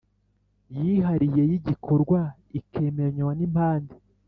yihariye y igikorwa ikemeranywa n impande